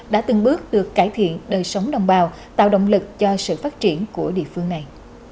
đã từng bước được cải thiện đời sống đồng bào tạo động lực cho sự phát triển của địa phương này